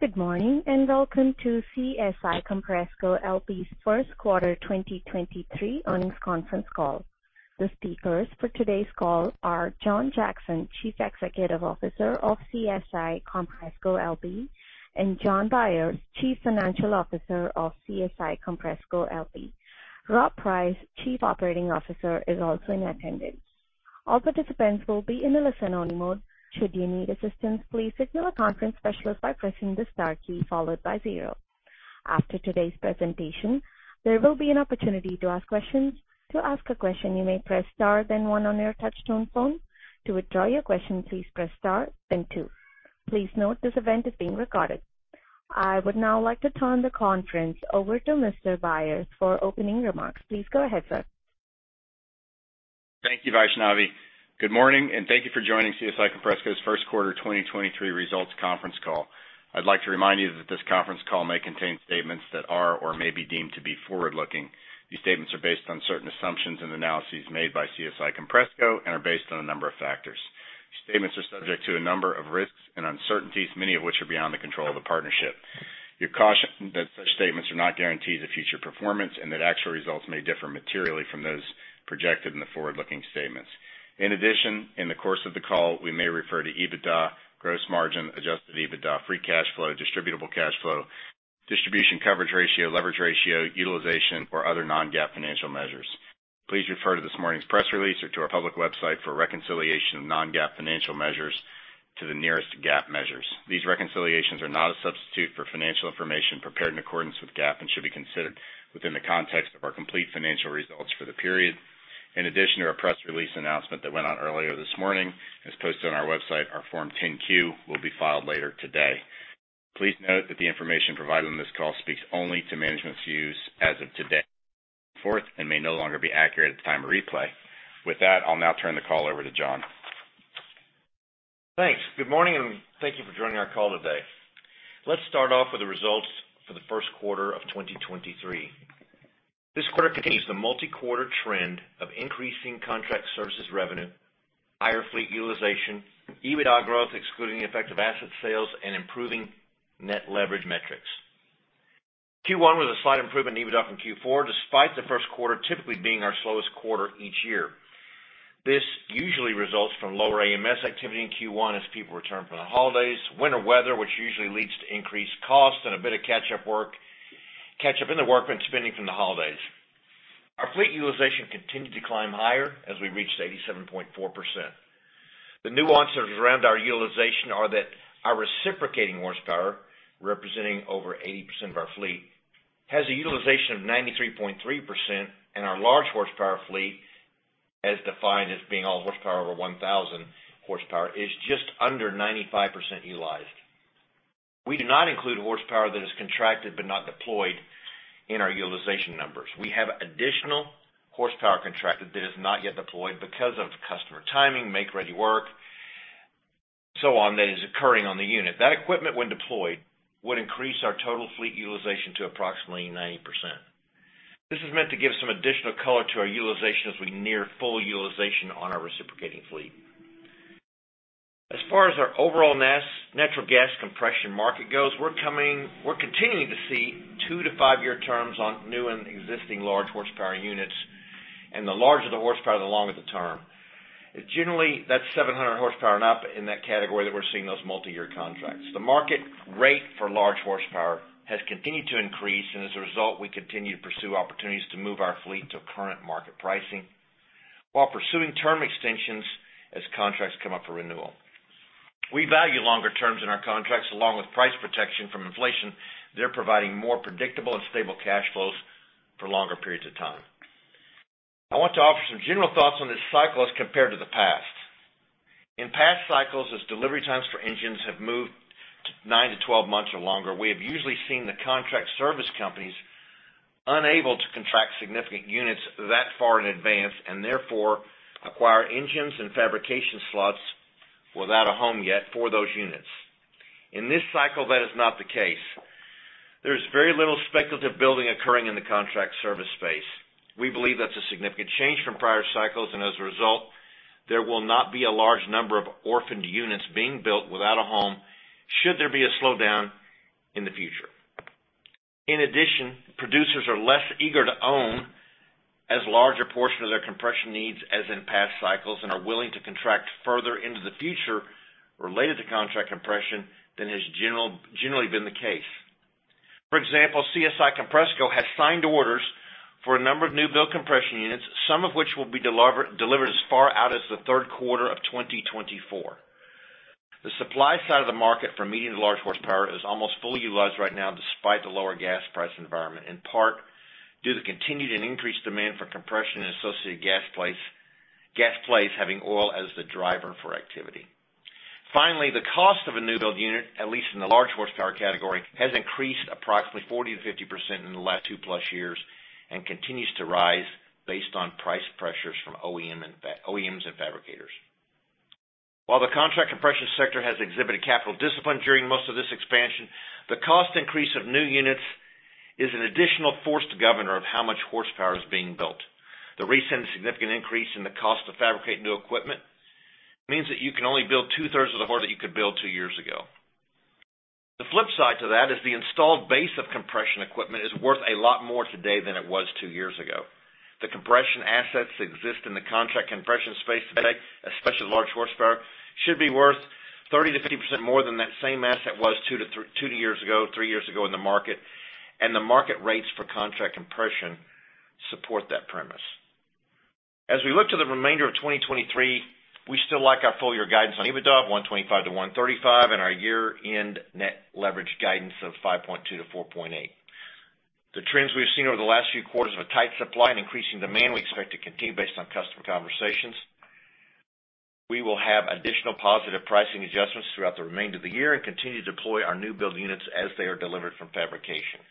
Good morning, and welcome to CSI Compressco LP's first quarter 2023 earnings conference call. The speakers for today's call are John Jackson, Chief Executive Officer of CSI Compressco LP, and Jonathan Byers, Chief Financial Officer of CSI Compressco LP. Rob Price, Chief Operating Officer, is also in attendance. All participants will be in a listen-only mode. Should you need assistance, please signal a conference specialist by pressing the star key followed by zero. After today's presentation, there will be an opportunity to ask questions. To ask a question, you may press Star then one on your touchtone phone. To withdraw your question, please press Star then two. Please note this event is being recorded. I would now like to turn the conference over to Mr. Byers for opening remarks. Please go ahead, sir. Thank you, Vaishnavi. Good morning, and thank you for joining CSI Compressco's first quarter 2023 results conference call. I'd like to remind you that this conference call may contain statements that are or may be deemed to be forward-looking. These statements are based on certain assumptions and analyses made by CSI Compressco and are based on a number of factors. These statements are subject to a number of risks and uncertainties, many of which are beyond the control of the partnership. You're cautioned that such statements are not guarantees of future performance and that actual results may differ materially from those projected in the forward-looking statements. In addition, in the course of the call, we may refer to EBITDA, gross margin, adjusted EBITDA, free cash flow, distributable cash flow, distribution coverage ratio, leverage ratio, utilization, or other non-GAAP financial measures. Please refer to this morning's press release or to our public website for a reconciliation of non-GAAP financial measures to the nearest GAAP measures. These reconciliations are not a substitute for financial information prepared in accordance with GAAP and should be considered within the context of our complete financial results for the period. In addition to our press release announcement that went out earlier this morning, as posted on our website, our Form 10-Q will be filed later today. Please note that the information provided on this call speaks only to management's views as of today and may no longer be accurate at the time of replay. I'll now turn the call over to John. Thanks. Good morning, thank you for joining our call today. Let's start off with the results for the first quarter of 2023. This quarter continues the multi-quarter trend of increasing contract services revenue, higher fleet utilization, EBITDA growth, excluding the effect of asset sales, and improving net leverage metrics. Q1 was a slight improvement in EBITDA from Q4, despite the first quarter typically being our slowest quarter each year. This usually results from lower AMS activity in Q1 as people return from the holidays, winter weather, which usually leads to increased costs and a bit of catch-up work in the workman spending from the holidays. Our fleet utilization continued to climb higher as we reached 87.4%. The nuances around our utilization are that our reciprocating horsepower, representing over 80% of our fleet, has a utilization of 93.3%, and our large horsepower fleet, as defined as being all horsepower over 1,000 horsepower, is just under 95% utilized. We do not include horsepower that is contracted but not deployed in our utilization numbers. We have additional horsepower contracted that is not yet deployed because of customer timing, make-ready work, so on, that is occurring on the unit. That equipment, when deployed, would increase our total fleet utilization to approximately 90%. This is meant to give some additional color to our utilization as we near full utilization on our reciprocating fleet. As far as our overall natural gas compression market goes, we're continuing to see 2-5-year terms on new and existing large horsepower units. The larger the horsepower, the longer the term. Generally, that's 700 horsepower and up in that category that we're seeing those multi-year contracts. The market rate for large horsepower has continued to increase, and as a result, we continue to pursue opportunities to move our fleet to current market pricing while pursuing term extensions as contracts come up for renewal. We value longer terms in our contracts, along with price protection from inflation. They're providing more predictable and stable cash flows for longer periods of time. I want to offer some general thoughts on this cycle as compared to the past. In past cycles, as delivery times for engines have moved to 9 to 12 months or longer, we have usually seen the contract service companies unable to contract significant units that far in advance and therefore acquire engines and fabrication slots without a home yet for those units. In this cycle, that is not the case. There is very little speculative building occurring in the contract service space. We believe that's a significant change from prior cycles, and as a result, there will not be a large number of orphaned units being built without a home should there be a slowdown in the future. In addition, producers are less eager to own as large a portion of their compression needs as in past cycles and are willing to contract further into the future related to contract compression than has generally been the case. For example, CSI Compressco has signed orders for a number of new build compression units, some of which will be delivered as far out as the third quarter of 2024. The supply side of the market for medium to large horsepower is almost fully utilized right now despite the lower gas price environment, in part due to continued and increased demand for compression and associated gas plays having oil as the driver for activity. Finally, the cost of a new build unit, at least in the large horsepower category, has increased approximately 40%-50% in the last 2+ years and continues to rise based on price pressures from OEMs and fabricators. While the contract compression sector has exhibited capital discipline during most of this expansion, the cost increase of new units is an additional force to governor of how much horsepower is being built. The recent significant increase in the cost to fabricate new equipment means that you can only build two-thirds of the horse that you could build two years ago. The flip side to that is the installed base of compression equipment is worth a lot more today than it was two years ago. The compression assets that exist in the contract compression space today, especially large horsepower, should be worth 30%-50% more than that same asset was two years ago, three years ago in the market, and the market rates for contract compression support that premise. As we look to the remainder of 2023, we still like our full year guidance on EBITDA of $125-$135 and our year-end Net Leverage guidance of 5.2-4.8. The trends we've seen over the last few quarters of a tight supply and increasing demand, we expect to continue based on customer conversations. We will have additional positive pricing adjustments throughout the remainder of the year and continue to deploy our new build units as they are delivered from fabrication.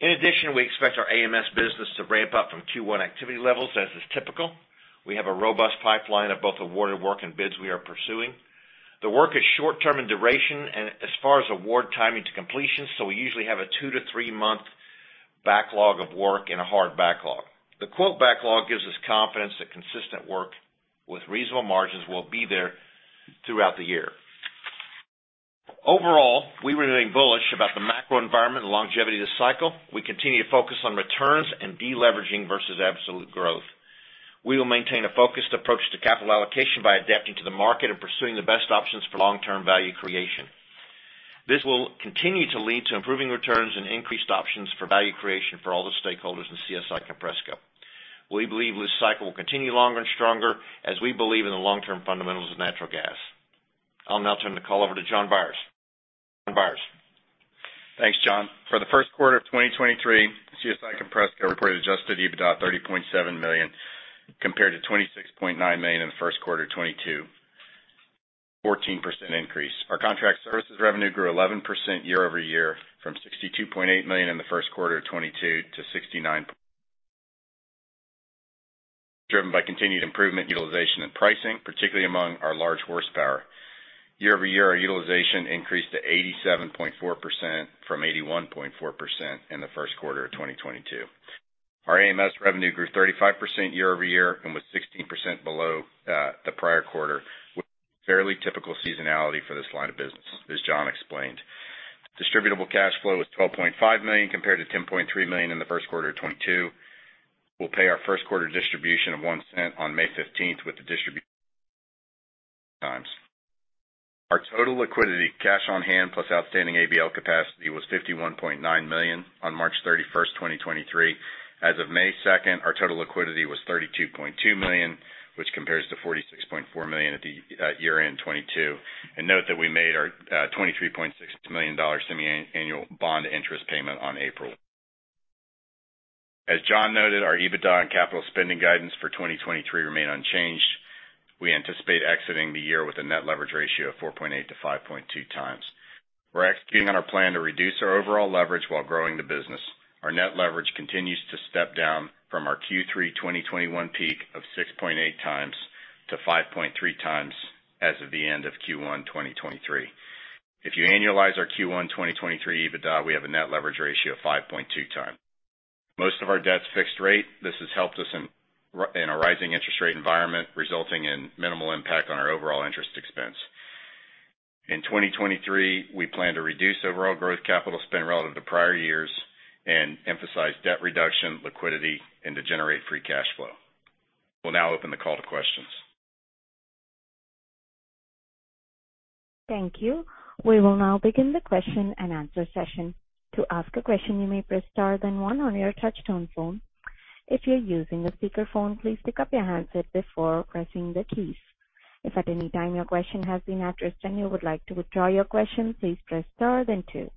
We expect our AMS business to ramp up from Q1 activity levels, as is typical. We have a robust pipeline of both awarded work and bids we are pursuing. The work is short-term in duration and as far as award timing to completion, we usually have a 2-3 month backlog of work and a hard backlog. The quote backlog gives us confidence that consistent work with reasonable margins will be there throughout the year. Overall, we remain bullish about the macro environment and longevity of the cycle. We continue to focus on returns and deleveraging versus absolute growth. We will maintain a focused approach to capital allocation by adapting to the market and pursuing the best options for long-term value creation. This will continue to lead to improving returns and increased options for value creation for all the stakeholders in CSI Compressco. We believe this cycle will continue longer and stronger as we believe in the long-term fundamentals of natural gas. I'll now turn the call over to Jonathan Byers. Thanks, John. For the first quarter of 2023, CSI Compressco reported adjusted EBITDA $30.7 million, compared to $26.9 million in the first quarter of 2022, 14% increase. Our Contract Services Revenue grew 11% year-over-year from $62.8 million in the first quarter of 2022 to $69 million, driven by continued improvement utilization and pricing, particularly among our large horsepower. Year-over-year, our utilization increased to 87.4% from 81.4% in the first quarter of 2022. Our AMS revenue grew 35% year-over-year and was 16% below the prior quarter, with fairly typical seasonality for this line of business, as John explained. Distributable Cash Flow was $12.5 million compared to $10.3 million in the first quarter of 2022. We'll pay our first quarter distribution of $0.01 on May 15th with the times. Our total liquidity, cash on hand plus outstanding ABL capacity, was $51.9 million on March 31st, 2023. As of May 2nd, our total liquidity was $32.2 million, which compares to $46.4 million at the year-end in 2022. Note that we made our $23.6 million semi-annual bond interest payment on April. As John noted, our EBITDA and capital spending guidance for 2023 remain unchanged. We anticipate exiting the year with a Net Leverage Ratio of 4.8x-5.2x. We're executing on our plan to reduce our overall leverage while growing the business. Our Net Leverage continues to step down from our Q3 2021 peak of 6.8 times to 5.3 times as of the end of Q1 2023. If you annualize our Q1 2023 EBITDA, we have a Net Leverage Ratio of 5.2 times. Most of our debt is fixed rate. This has helped us in a rising interest rate environment, resulting in minimal impact on our overall interest expense. In 2023, we plan to reduce overall growth capital spend relative to prior years and emphasize debt reduction, liquidity, and to generate free cash flow. We'll now open the call to questions. Thank you. We will now begin the question-and-answer session. To ask a question, you may press star then one on your touch-tone phone. If you're using a speakerphone, please pick up your handset before pressing the keys. If at any time your question has been addressed and you would like to withdraw your question, please press star then two.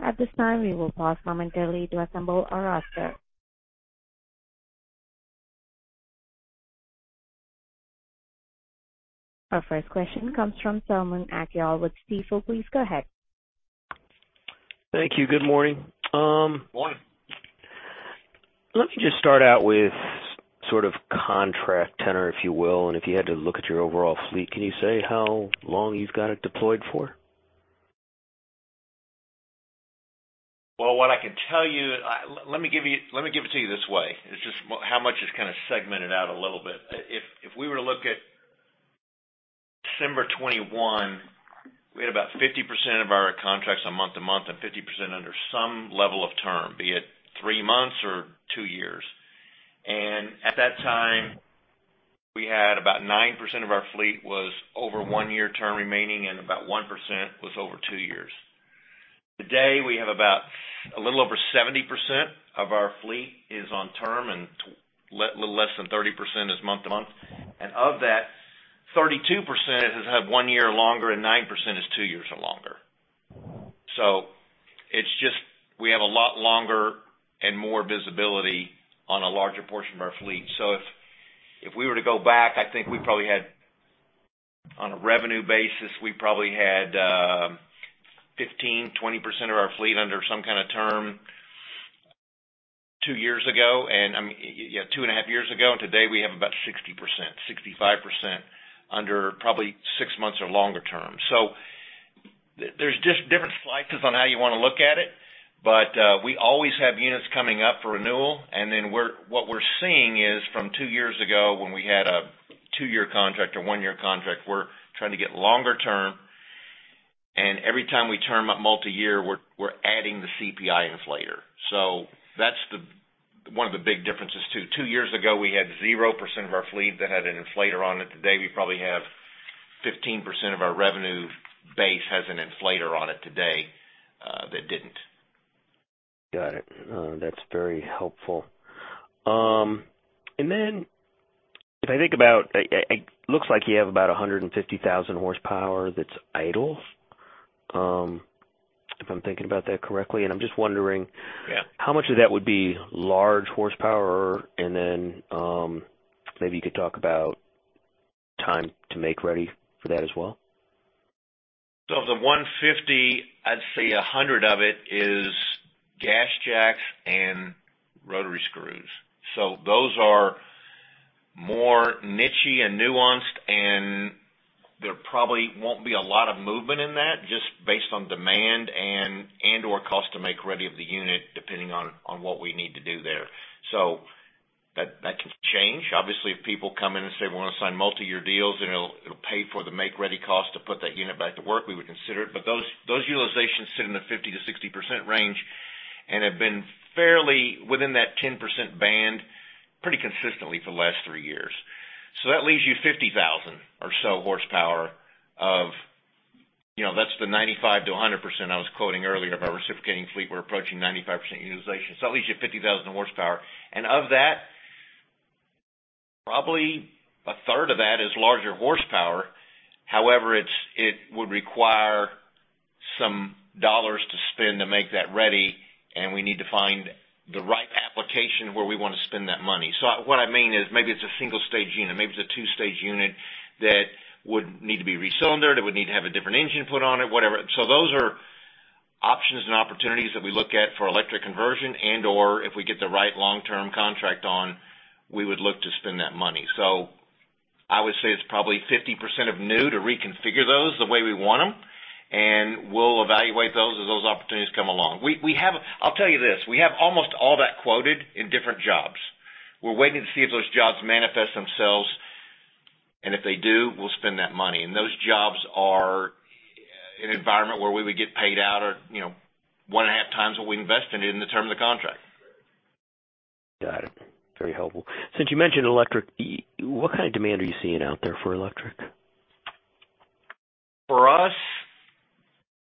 At this time, we will pause momentarily to assemble our roster. Our first question comes from Selman Akyol with Stifel. Please go ahead. Thank you. Good morning. Morning. Let me just start out with sort of contract tenor, if you will. If you had to look at your overall fleet, can you say how long you've got it deployed for? Well, what I can tell you, let me give it to you this way. It's just how much it's kind of segmented out a little bit. If we were to look at December 2021, we had about 50% of our contracts on month to month and 50% under some level of term, be it 3 months or 2 years. At that time, we had about 9% of our fleet was over 1-year term remaining and about 1% was over 2 years. Today, we have about a little over 70% of our fleet is on term and little less than 30% is month to month. Of that, 32% is, have 1 year or longer and 9% is 2 years or longer. It's just we have a lot longer and more visibility on a larger portion of our fleet. If we were to go back, I think we probably had, on a revenue basis, we probably had, 15%-20% of our fleet under some kinda term. Two years ago, 2.5 years ago, today we have about 60%, 65% under probably 6 months or longer term. There's just different slices on how you wanna look at it, but what we're seeing is from 2 years ago when we had a 2-year contract or 1-year contract, we're trying to get longer term. Every time we term up multi-year, we're adding the CPI inflator. That's one of the big differences too. Two years ago, we had 0% of our fleet that had an inflator on it. Today, we probably have 15% of our revenue base has an inflator on it today that didn't. Got it. That's very helpful. Then if I think about... It looks like you have about 150,000 horsepower that's idle, if I'm thinking about that correctly. I'm just wondering- Yeah. how much of that would be large horsepower? Maybe you could talk about time to make ready for that as well. Of the 150, I'd say 100 of it is GasJack and rotary screws. Those are more niche-y and nuanced, and there probably won't be a lot of movement in that just based on demand and/or cost to make ready of the unit, depending on what we need to do there. That, that can change. Obviously, if people come in and say, "We wanna sign multi-year deals, and it'll pay for the make ready cost to put that unit back to work," we would consider it. Those, those utilizations sit in the 50%-60% range and have been fairly within that 10% band pretty consistently for the last 3 years. That leaves you 50,000 or so horsepower of, you know, that's the 95%-100% I was quoting earlier of our reciprocating fleet. We're approaching 95% utilization. That leaves you 50,000 horsepower. Of that, probably a third of that is larger horsepower. However, it would require some dollars to spend to make that ready, and we need to find the right application where we wanna spend that money. What I mean is maybe it's a single-stage unit, maybe it's a two-stage unit that would need to be re-cylindered, it would need to have a different engine put on it, whatever. Those are options and opportunities that we look at for electric conversion and/or if we get the right long-term contract on, we would look to spend that money. I would say it's probably 50% of new to reconfigure those the way we want them, and we'll evaluate those as those opportunities come along. I'll tell you this, we have almost all that quoted in different jobs. We're waiting to see if those jobs manifest themselves, and if they do, we'll spend that money. Those jobs are an environment where we would get paid out or, you know, 1.5x what we invest in it in the term of the contract. Got it. Very helpful. Since you mentioned electric, what kind of demand are you seeing out there for electric? For us,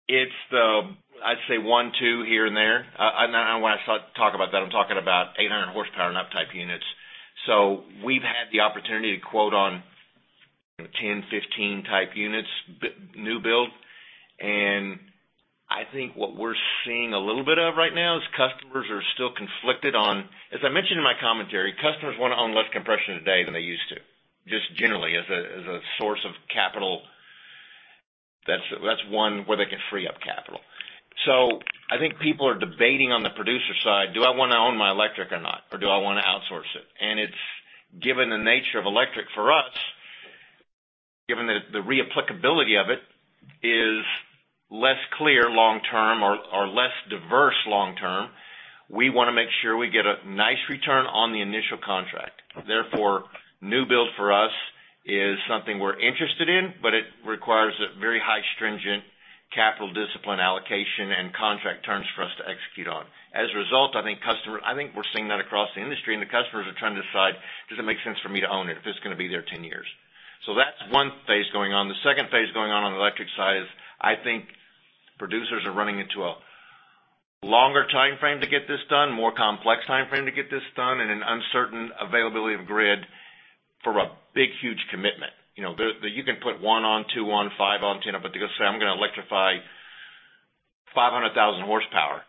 it's the, I'd say 1, 2 here and there. When I talk about that, I'm talking about 800 horsepower and up type units. We've had the opportunity to quote on 10, 15 type units new build. I think what we're seeing a little bit of right now is customers are still conflicted on... As I mentioned in my commentary, customers wanna own less compression today than they used to, just generally as a, as a source of capital. That's one where they can free up capital. I think people are debating on the producer side, do I wanna own my electric or not? Do I wanna outsource it? It's, given the nature of electric for us, given the reapplicability of it is less clear long term or less diverse long term, we wanna make sure we get a nice return on the initial contract. New build for us is something we're interested in, but it requires a very high stringent capital discipline allocation and contract terms for us to execute on. As a result, I think we're seeing that across the industry, the customers are trying to decide, does it make sense for me to own it if it's gonna be there 10 years? That's one phase going on. The second phase going on on the electric side is, I think producers are running into a longer timeframe to get this done, more complex timeframe to get this done, and an uncertain availability of grid for a big, huge commitment. You know, the you can put one on, two on, five on, 10 on, but to go say, "I'm gonna electrify 500,000 horsepower,"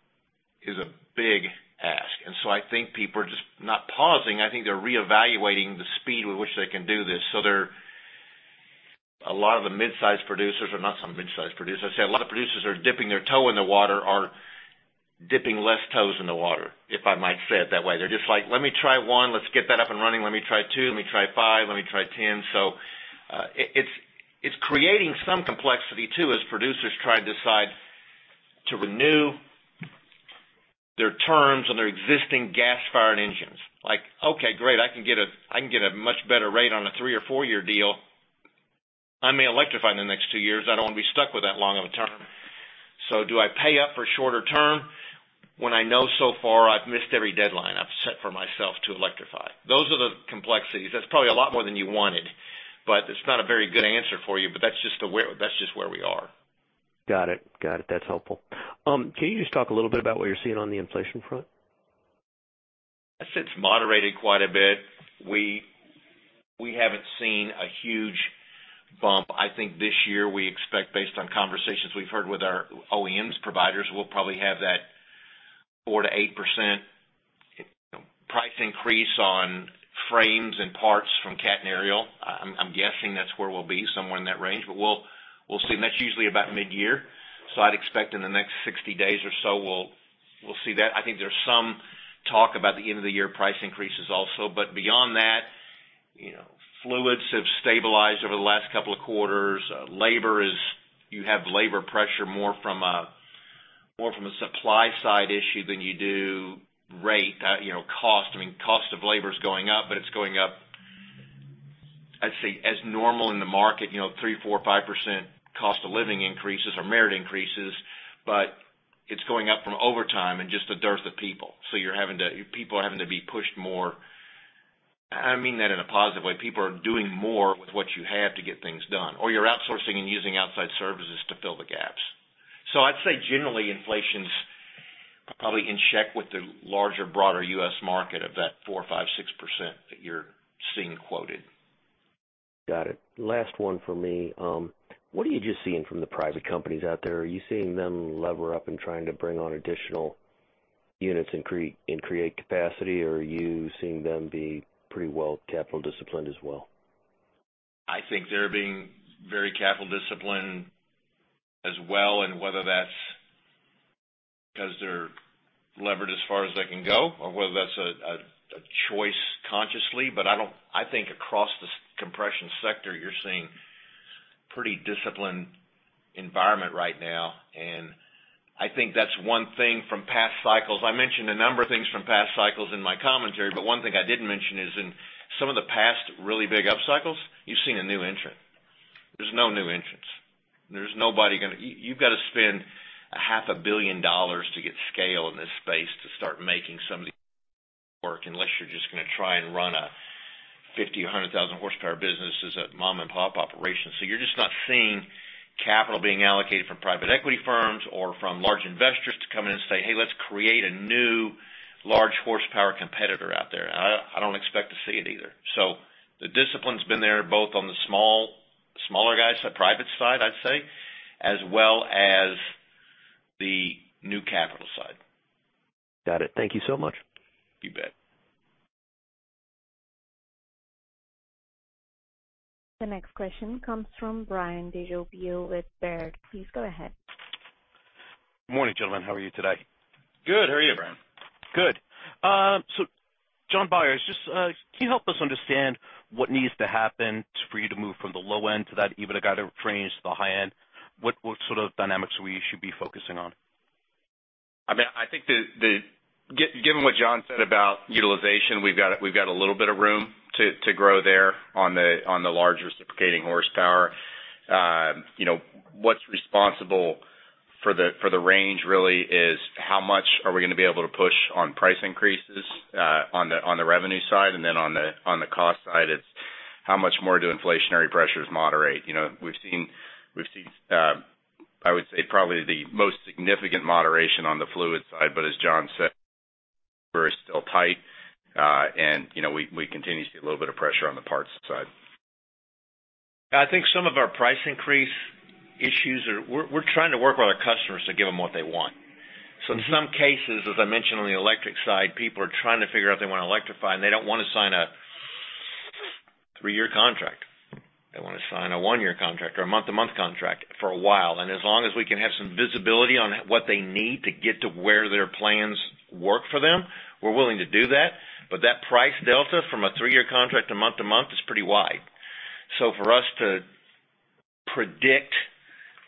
is a big ask. I think people are just not pausing. I think they're reevaluating the speed with which they can do this. A lot of the midsize producers or not some midsize producers, I'd say a lot of producers are dipping less toes in the water, if I might say it that way. They're just like, "Let me try one. Let's get that up and running. Let me try two. Let me try 5. Let me try 10." It's creating some complexity too, as producers try to decide to renew their terms on their existing gas-fired engines. Like, "Okay, great. I can get a, I can get a much better rate on a 3 or 4-year deal. I may electrify in the next 2 years. I don't wanna be stuck with that long of a term. Do I pay up for shorter term when I know so far I've missed every deadline I've set for myself to electrify?" Those are the complexities. That's probably a lot more than you wanted. It's not a very good answer for you. That's just where we are. Got it. Got it. That's helpful. Can you just talk a little bit about what you're seeing on the inflation front? It's moderated quite a bit. We haven't seen a huge bump. I think this year we expect based on conversations we've heard with our OEMs providers, we'll probably have that 4%-8% I expect increase on frames and parts from Cat and Ariel. I'm guessing that's where we'll be, somewhere in that range. We'll see. That's usually about mid-year, so I'd expect in the next 60 days or so, we'll see that. I think there's some talk about the end-of-the-year price increases also. Beyond that, you know, fluids have stabilized over the last couple of quarters. Labor is. You have labor pressure more from a supply side issue than you do rate. You know, cost. I mean, cost of labor is going up, It's going up, I'd say, as normal in the market, you know, 3%, 4%, 5% cost of living increases or merit increases. It's going up from overtime and just the dearth of people. People are having to be pushed more. I mean that in a positive way. People are doing more with what you have to get things done, or you're outsourcing and using outside services to fill the gaps. I'd say generally, inflation's probably in check with the larger, broader U.S. market of that 4%, 5%, 6% that you're seeing quoted. Got it. Last one for me. What are you just seeing from the private companies out there? Are you seeing them lever up and trying to bring on additional units and create capacity, or are you seeing them be pretty well capital disciplined as well? I think they're being very capital disciplined as well, and whether that's 'cause they're levered as far as they can go or whether that's a choice consciously. I think across the compression sector, you're seeing pretty disciplined environment right now. I think that's one thing from past cycles. I mentioned a number of things from past cycles in my commentary, but one thing I didn't mention is in some of the past really big up cycles, you've seen a new entrant. There's no new entrants. There's nobody gonna. You've gotta spend a half a billion dollars to get scale in this space to start making some of these work, unless you're just gonna try and run a 50,000 or 100,000 horsepower business as a mom-and-pop operation. You're just not seeing capital being allocated from private equity firms or from large investors to come in and say, "Hey, let's create a new large horsepower competitor out there." I don't expect to see it either. The discipline's been there, both on the smaller guys, the private side, I'd say, as well as the new capital side. Got it. Thank you so much. You bet. The next question comes from Brian DiRubbio with Baird. Please go ahead. Morning, gentlemen. How are you today? Good. How are you, Brian? Good. Jonathan Byers, just, can you help us understand what needs to happen for you to move from the low end to that EBITDA guide range to the high end? What sort of dynamics we should be focusing on? I mean, I think Given what John said about utilization, we've got a little bit of room to grow there on the large reciprocating horsepower. You know, what's responsible for the range really is how much are we gonna be able to push on price increases on the revenue side, and then on the cost side, it's how much more do inflationary pressures moderate. You know, we've seen I would say probably the most significant moderation on the fluid side, but as John said, we're still tight. You know, we continue to see a little bit of pressure on the parts side. I think some of our price increase issues are we're trying to work with our customers to give them what they want. In some cases, as I mentioned on the electric side, people are trying to figure out if they want to electrify, and they don't want to sign a 3-year contract. They want to sign a 1-year contract or a month-to-month contract for a while. As long as we can have some visibility on what they need to get to where their plans work for them, we're willing to do that. That price delta from a 3-year contract to month to month is pretty wide. For us to predict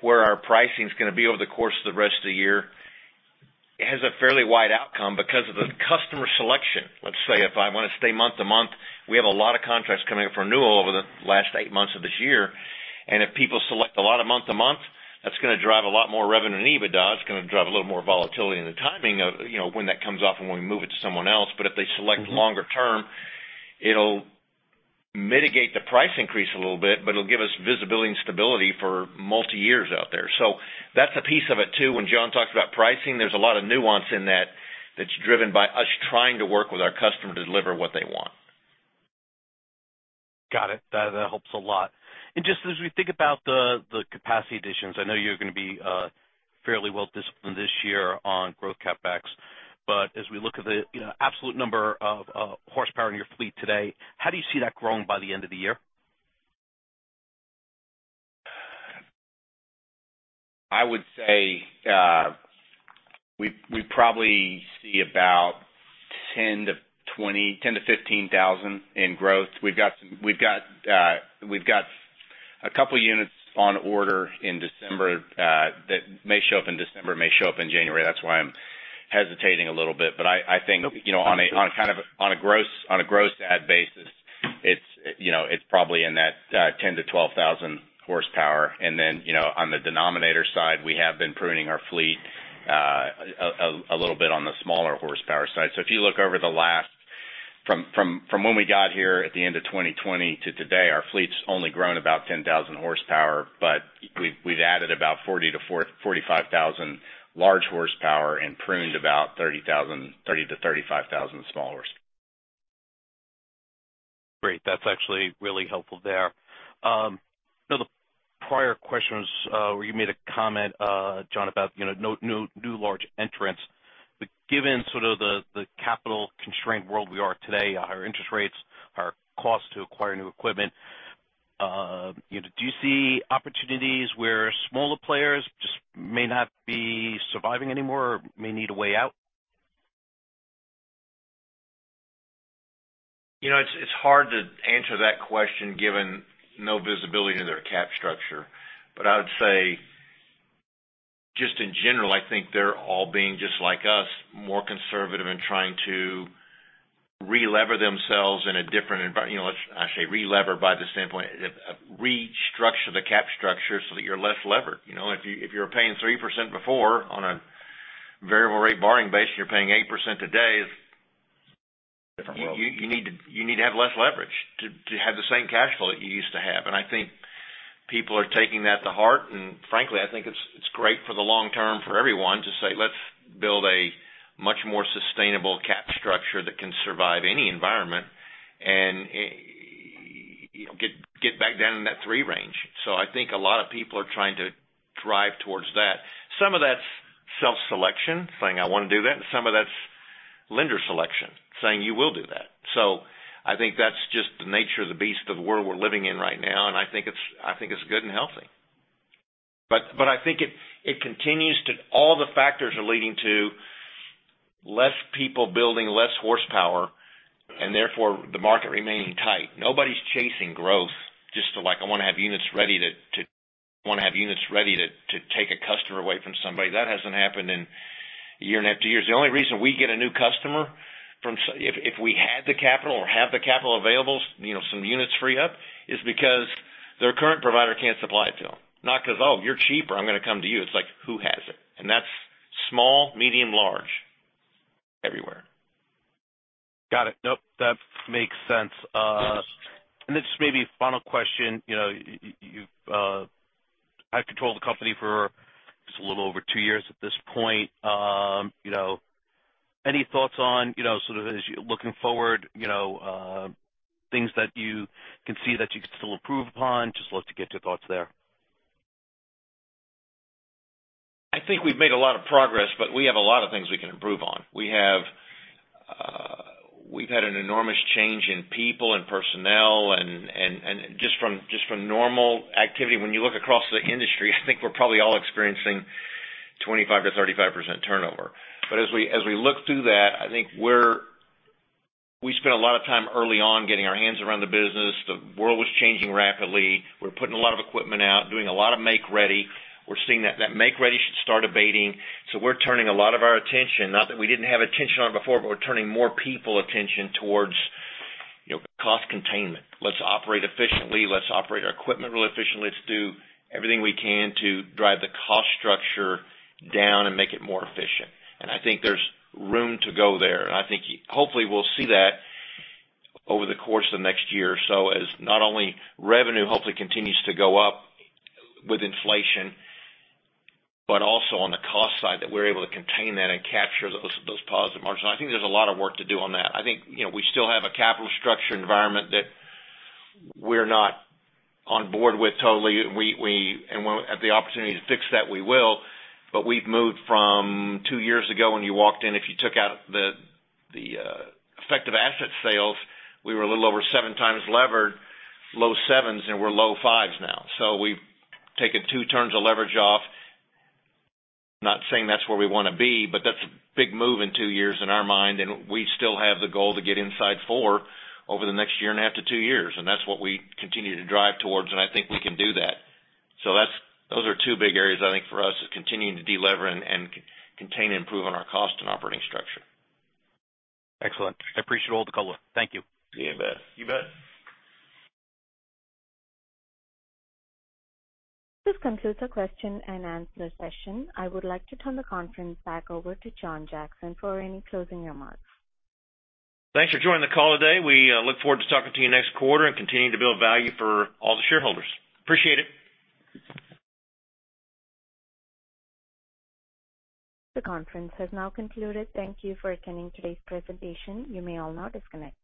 where our pricing is gonna be over the course of the rest of the year has a fairly wide outcome because of the customer selection. Let's say if I want to stay month to month, we have a lot of contracts coming up for renewal over the last eight months of this year, and if people select a lot of month to month, that's gonna drive a lot more revenue than EBITDA. It's gonna drive a little more volatility in the timing of, you know, when that comes off and when we move it to someone else. If they select longer term, it'll mitigate the price increase a little bit, but it'll give us visibility and stability for multi years out there. That's a piece of it too. When John talks about pricing, there's a lot of nuance in that that's driven by us trying to work with our customer to deliver what they want. Got it. That helps a lot. Just as we think about the capacity additions, I know you're gonna be fairly well disciplined this year on growth CapEx. As we look at the, you know, absolute number of horsepower in your fleet today, how do you see that growing by the end of the year? I would say, we probably see about $10,000-$15,000 in growth. We've got a couple units on order in December that may show up in December, may show up in January. That's why I'm hesitating a little bit. I think. Nope. You know, on a gross, on a gross add basis, it's, you know, it's probably in that 10,000-12,000 horsepower. Then, you know, on the denominator side, we have been pruning our fleet a little bit on the smaller horsepower side. When we got here at the end of 2020 to today, our fleet's only grown about 10,000 horsepower, but we've added about 40,000-45,000 large horsepower and pruned about 30,000-35,000 small horsepower. Great. That's actually really helpful there. Now the prior questions, where you made a comment, John, about, you know, no new large entrants. Given sort of the capital-constrained world we are today, our higher interest rates, our costs to acquire new equipment, you know, do you see opportunities where smaller players just may not be surviving anymore or may need a way out? You know, it's hard to answer that question given no visibility to their cap structure. I would say just in general, I think they're all being, just like us, more conservative and trying to relever themselves in a different, you know, let's actually relever by the standpoint, restructure the cap structure so that you're less levered. You know, if you're paying 3% before on a variable rate borrowing base, you're paying 8% today is a different world. You need to have less leverage to have the same cash flow that you used to have. I think people are taking that to heart. Frankly, I think it's great for the long term for everyone to say, "Let's build a much more sustainable cap structure that can survive any environment and, you know, get back down in that 3 range." I think a lot of people are trying to drive towards that. Some of that's self-selection, saying, "I wanna do that," and some of that's lender selection, saying, "You will do that." I think that's just the nature of the beast of the world we're living in right now, and I think it's, I think it's good and healthy. I think it continues to... All the factors are leading to less people building less horsepower, and therefore the market remaining tight. Nobody's chasing growth just to like, I wanna have units ready to... I wanna have units ready to take a customer away from somebody. That hasn't happened in a year and a half, two years. The only reason we get a new customer if we had the capital or have the capital available, you know, some units free up, is because their current provider can't supply it to them. Not because, "Oh, you're cheaper, I'm gonna come to you." It's like, "Who has it?" That's small, medium, large, everywhere. Got it. Nope, that makes sense. Yes. This may be final question. You know, you've have controlled the company for just a little over two years at this point. You know, any thoughts on, you know, sort of as you're looking forward, you know, things that you can see that you can still improve upon? Just love to get your thoughts there. I think we've made a lot of progress, but we have a lot of things we can improve on. We have, we've had an enormous change in people and personnel and just from normal activity. When you look across the industry, I think we're probably all experiencing 25%-35% turnover. As we, as we look through that, I think we're. We spent a lot of time early on getting our hands around the business. The world was changing rapidly. We're putting a lot of equipment out, doing a lot of make ready. We're seeing that that make ready should start abating. We're turning a lot of our attention, not that we didn't have attention on before, but we're turning more people attention towards, you know, cost containment. Let's operate efficiently. Let's operate our equipment really efficiently. Let's do everything we can to drive the cost structure down and make it more efficient. I think there's room to go there. I think hopefully we'll see that over the course of next year or so as not only revenue hopefully continues to go up with inflation, but also on the cost side that we're able to contain that and capture those positive margins. I think there's a lot of work to do on that. I think, you know, we still have a capital structure environment that we're not on board with totally. We, when we have the opportunity to fix that, we will. We've moved from 2 years ago when you walked in, if you took out the effective asset sales, we were a little over 7 times levered, low 7s, and we're low 5s now. We've taken 2 turns of leverage off. Not saying that's where we wanna be, but that's a big move in 2 years in our mind, and we still have the goal to get inside 4 over the next 1.5-2 years. That's what we continue to drive towards, and I think we can do that. Those are 2 big areas I think for us is continuing to delever and contain and improve on our cost and operating structure. Excellent. I appreciate all the color. Thank you. You bet. You bet. This concludes the question and answer session. I would like to turn the conference back over to John Jackson for any closing remarks. Thanks for joining the call today. We look forward to talking to you next quarter and continuing to build value for all the shareholders. Appreciate it. The conference has now concluded. Thank you for attending today's presentation. You may all now disconnect.